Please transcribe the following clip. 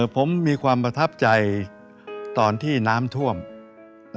ผมมีความประทับใจตอนที่น้ำท่วม